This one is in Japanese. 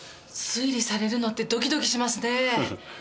推理されるのってドキドキしますね。